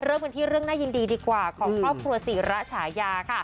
เริ่มกันที่เรื่องน่ายินดีดีกว่าของครอบครัวศรีระฉายาค่ะ